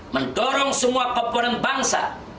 mendorong semua pemerintah bangsa